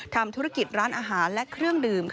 ทำธุรกิจร้านอาหารและเครื่องดื่ม